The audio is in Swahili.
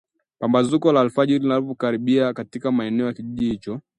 pambazuko la alfajiri linapokaribia katika maeneo ya kijiji hicho